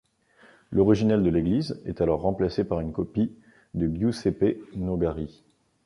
L'original de l'église est alors remplacé par une copie de Giuseppe Nogari.